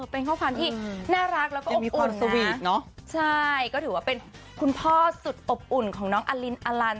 เป็นข้อความที่น่ารักแล้วก็อบอุ่นสวีทเนอะใช่ก็ถือว่าเป็นคุณพ่อสุดอบอุ่นของน้องอลินอลัน